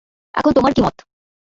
এখন তোমার কী মত।